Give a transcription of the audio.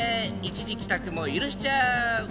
一時帰宅も許しちゃう！